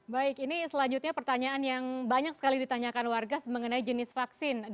baik ini selanjutnya pertanyaan yang banyak sekali ditanyakan warga mengenai jenis vaksin